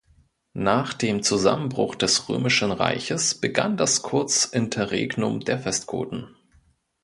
Nach dem Zusammenbruch des römischen Reiches begann das kurz Interregnum der Westgoten.